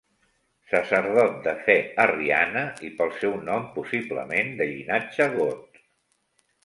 Sacerdot de fe arriana, i pel seu nom possiblement de llinatge got.